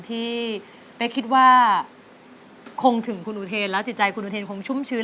ที่เป๊กคิดว่าคงถึงคุณอุเทนแล้วจิตใจคุณอุเทนคงชุ่มชื้น